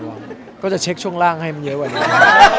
เขาก็จะเช็คช่วงล่างให้มันเยอะเยอะ